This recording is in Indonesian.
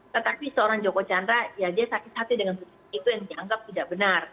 tetapi seorang joko chandra ya dia sakit hati dengan bukti itu yang dianggap tidak benar